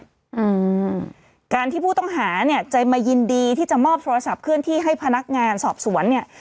อืมการที่ผู้ต้องหาเนี้ยจะมายินดีที่จะมอบโทรศัพท์เคลื่อนที่ให้พนักงานสอบสวนเนี่ย